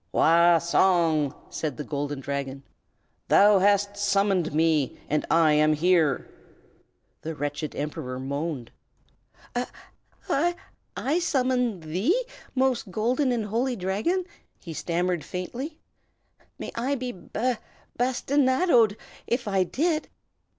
"Wah Song!" said the Golden Dragon, "thou hast summoned me, and I am here!" The wretched Emperor moaned. "I I I sum summon thee, most Golden and Holy Dragon?" he stammered faintly. "May I be b b bastinadoed if I did!"